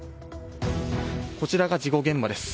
こちらが事故現場です。